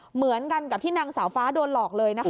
เหมือนกันกับที่นางสาวฟ้าโดนหลอกเลยนะคะ